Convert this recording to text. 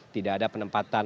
tidak ada penempatan